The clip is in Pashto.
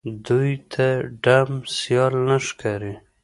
دوی ته ډم سيال نه ښکاري